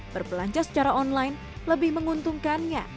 berbelanja secara online lebih menguntungkannya